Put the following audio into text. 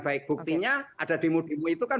baik buktinya ada demo demo itu kan